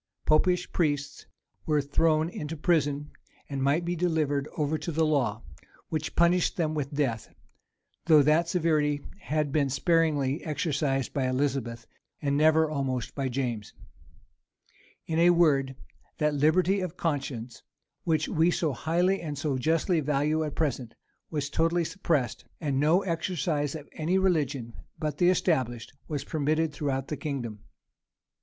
Popish priests were thrown into prison, and might be delivered over to the law, which punished them with death; though that severity had been sparingly exercised by Elizabeth, and never almost by James. In a word, that liberty of conscience, which we so highly and so justly value at present, was totally suppressed; and no exercise of any religion but the established, was permitted throughout the kingdom.